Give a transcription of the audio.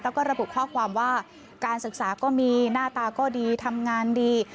แล้วก็ระบุข้อความว่าการศึกษาก็มีหน้าตาก็ดีทำงานดี